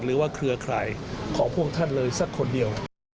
หรือว่าเครือใครขอพวกท่านเลยสักคนเดียว